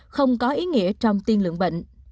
không có ý nghĩa trong tiên lượng bệnh